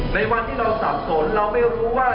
ในวันที่เราสับสนเราไม่รู้ว่า